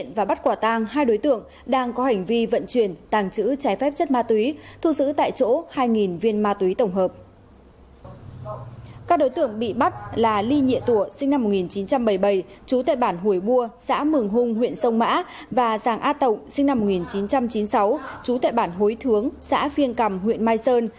là ly nhịa tùa sinh năm một nghìn chín trăm bảy mươi bảy chú tại bản hồi bua xã mường hung huyện sông mã và giàng á tộc sinh năm một nghìn chín trăm chín mươi sáu chú tại bản hối thướng xã phiên cầm huyện mai sơn